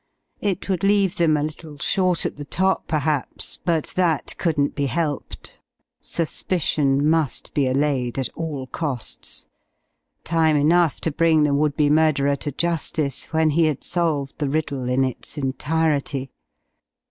It would leave them a little short at the top perhaps, but that couldn't be helped. Suspicion must be allayed at all costs. Time enough to bring the would be murderer to justice when he had solved the riddle in its entirety.